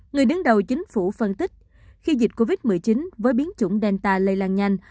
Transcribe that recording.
người đứng đầu chính phủ phân tích khi dịch covid một mươi chín với biến chủng delta lây lan nhanh